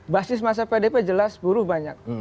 karena saya pdip jelas buruh banyak